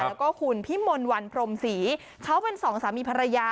แล้วก็คุณพิมลวันพรมศรีเขาเป็นสองสามีภรรยา